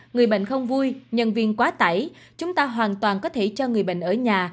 người bệnh không vui nhân viên quá tải chúng ta hoàn toàn có thể cho người bệnh ở nhà